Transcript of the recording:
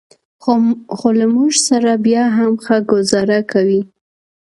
خو له موږ سره بیا هم ښه ګوزاره کوي.